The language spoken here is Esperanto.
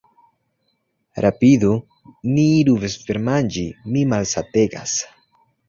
Rapidu, ni iru vespermanĝi, mi malsategas.